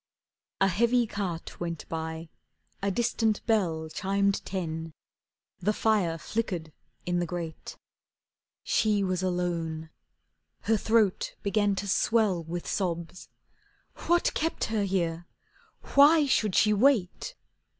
A heavy cart went by, a distant bell Chimed ten, the fire flickered in the grate. She was alone. Her throat began to swell With sobs. What kept her here, why should she wait?